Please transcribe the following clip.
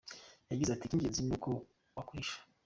Yagize ati “Icy’ingenzi ni uko wakwihisha.